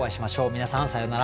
皆さんさようなら。